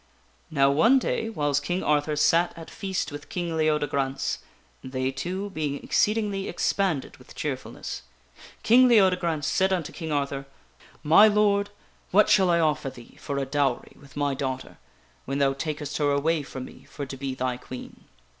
Now, one day, whiles King Arthur sat at feast with King Leodegrance they two being exceedingly expanded with cheerfulness King Leode grance said unto King Arthur :" My Lord, what shall I offer thee for a dowery with my daughter when thou takest her away from me for to be thy Queen?"